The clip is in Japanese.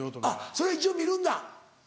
それは一応見るんだ？